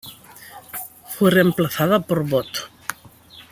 Fue reemplazada por "Bot.